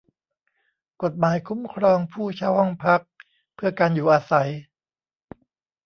กฎหมายคุ้มครองผู้เช่าห้องพักเพื่อการอยู่อาศัย